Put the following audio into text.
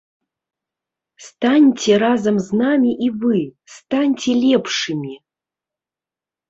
Станьце разам з намі і вы, станьце лепшымі!